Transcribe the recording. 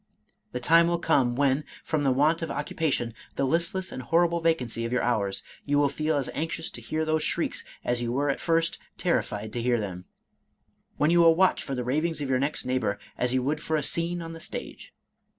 The time will come, when, from the want of occu pation, the listless and horrible vacancy of your hours, you will feel as anxious to hear those shrieks, as you were at first terrified to hear them, — ^when you will watch for the ravings of your next neighbor, as you would for a scene on the stage.